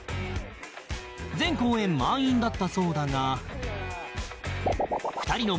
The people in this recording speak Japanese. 全公演満員だったそうだが